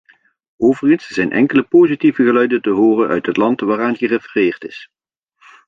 Overigens zijn enkele positieve geluiden te horen uit het land waaraan gerefereerd is.